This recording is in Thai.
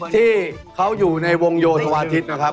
ที่เขาอยู่ในวงโยธวาทิศนะครับ